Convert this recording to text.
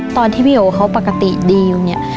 ตอนที่พี่โอเขาปกติดีอยู่เนี่ย